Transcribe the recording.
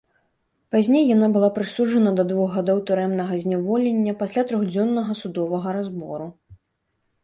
Пазней яна была прысуджана да двух гадоў турэмнага зняволення пасля трохдзённага судовага разбору.